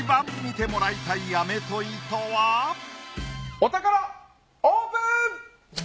お宝オープン！